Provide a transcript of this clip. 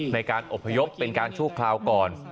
ในการอบพยพเป็นการชั่วคราวก่อน